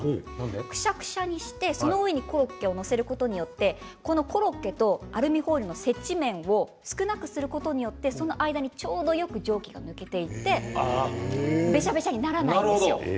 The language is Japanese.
くしゃくしゃにしてその上にコロッケを載せることによってコロッケとアルミホイルの接地面を少なくすることによってその間にちょうどよく蒸気が抜けていってべしゃべしゃにならないんですよ。